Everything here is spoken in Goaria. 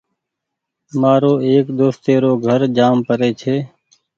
مآرو ايڪ دوستي رو گھر جآم پري ڇي ۔